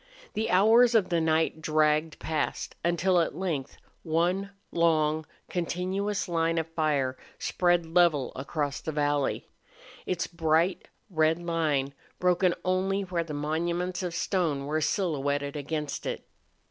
The hours of the night dragged past until at length one long, continuous line of fire spread level across the valley, its bright, red line broken only where the monuments of stone were silhouetted against it.